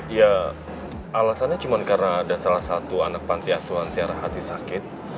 ya alasannya cuma karena ada salah satu anak panti asuhan tiara hati sakit